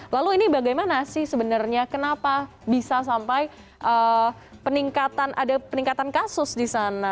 lalu ini bagaimana sih sebenarnya kenapa bisa sampai peningkatan ada peningkatan kasus di sana